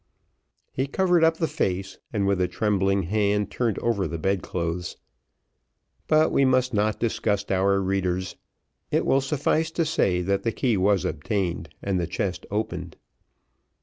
He covered up the face, and with a trembling hand turned over the bedclothes. But we must not disgust our readers, it will suffice to say, that the key was obtained, and the chest opened.